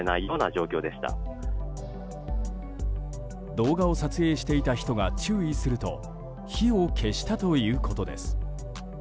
動画を撮影していた人が注意すると火を消したということです。